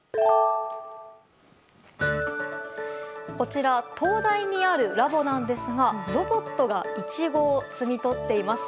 こちら東大にあるラボなんですがロボットがイチゴを摘み取っています。